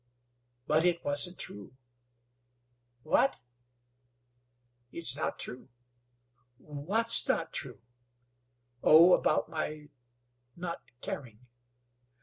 "But it wasn't true." "What?" "It's not true." "What's not true?" "Oh about my not caring."